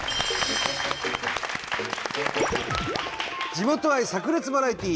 地元愛さく裂バラエティー！